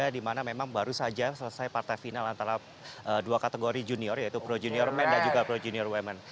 di mana memang baru saja selesai partai final antara dua kategori junior yaitu pro junior men dan juga pro junior women